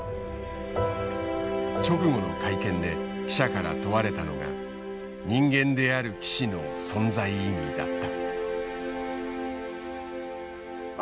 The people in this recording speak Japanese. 直後の会見で記者から問われたのが人間である棋士の存在意義だった。